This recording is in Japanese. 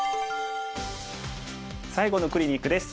最後のクリニックです。